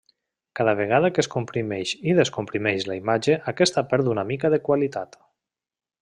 Cada vegada que es comprimeix i descomprimeix la imatge aquesta perd una mica de qualitat.